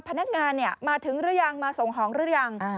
พนักงานเนี่ยมาถึงรึยังมาส่งหองรึยัง